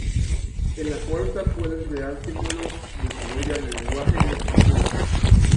En la cuarta, pueden crear símbolos, desarrollan el lenguaje y la escritura.